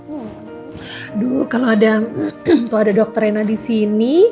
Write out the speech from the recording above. aduh kalau ada dokter rena disini